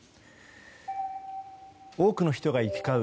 多くの人が行き交う